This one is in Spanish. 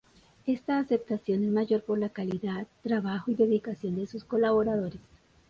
Esta aceptación es mayor por la calidad, trabajo y dedicación de sus colaboradores.